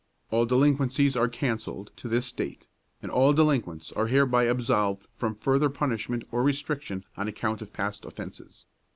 All delinquencies are cancelled to this date, and all delinquents are hereby absolved from further punishment or restriction on account of past offences.